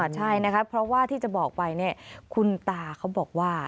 ใช่นะคะเพราะว่าที่จะบอกไปคุณตาเขาบอกว่า